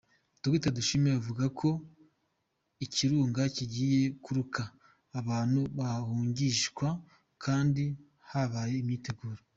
Dr Dushime avuga ko uikirunga kigiye kuruka abantu bahungishwa kandi habaye imyiteguro.